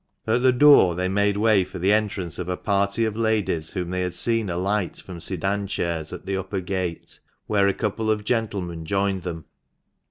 At the door they made way for the entrance of a party of ladies, whom they had seen alight from sedan chairs at the upper gate, where a couple of gentlemen joined them.